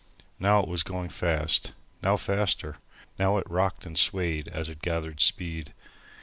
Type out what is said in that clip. Now it was going fast, now faster, now it rocked and swayed as it gathered speed.